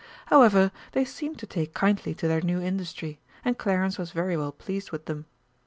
However, they seemed to take kindly to their new industry, and Clarence was very well pleased with them.